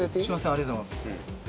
ありがとうございます。